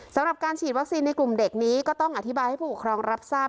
สำหรับการฉีดวัคซีนในกลุ่มเด็กนี้ก็ต้องอธิบายให้ผู้ปกครองรับทราบ